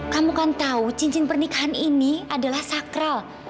kamu kan tahu cincin pernikahan ini adalah sakral